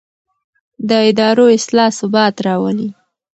د ادارو اصلاح ثبات راولي